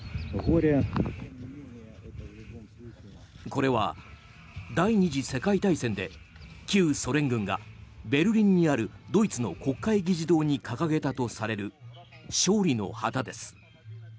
これは、第２次世界大戦で旧ソ連軍がベルリンにあるドイツの国会議事堂に掲げたとされる勝利の旗です。